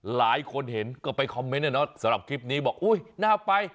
หลายคนเห็นก็ไปคอมเมนต์นะเนาะสำหรับคลิปนี้บอกอุ๊ยน่าไป